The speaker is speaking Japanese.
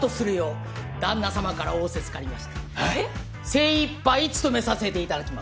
精いっぱい務めさせていただきます。